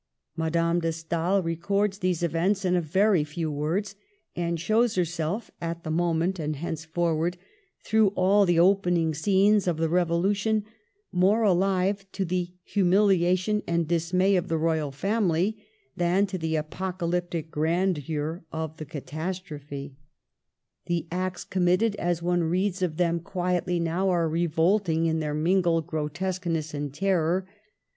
Madame de Stael records these events in a very few words, and shows herself, at the moment .and henceforward through all the opening scenes of the Revolution, more alive to the humiliation and dismay of the Royal Family than to the apocalyptic grandeur of the catastrophe. Digitized by VjOOQIC 46 MADAME DE STAEL. The acts committed, as one reads of them qui etly now, are revolting in their mingled gro tesqueness and terror.